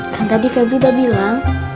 kan tadi febri udah bilang